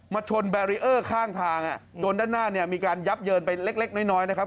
ชนแบรีเออร์ข้างทางจนด้านหน้าเนี่ยมีการยับเยินไปเล็กน้อยนะครับ